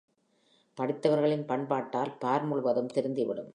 படித்தவர்களின் பண்பாட்டால் பார் முழுவதும் திருந்திவிடும்.